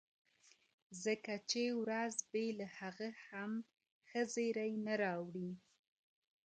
ځکه چي ورځ بېله هغه هم ښه زېری نه راوړي ..